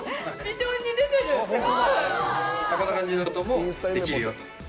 こんな感じのこともできるよと。